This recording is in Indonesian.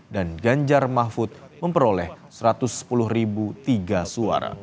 dan ganjar mahfud memperoleh satu ratus sepuluh tiga suara